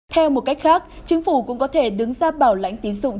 theo một cách khác chính phủ cũng có thể đứng ra bảo lãnh tín dụng